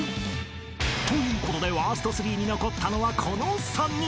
［ということでワースト３に残ったのはこの３人］